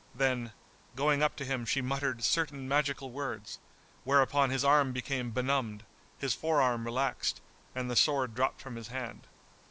then, going up to him she muttered certain magical words, whereupon his arm became benumbed, his forearm relaxed and the sword dropped from his hand.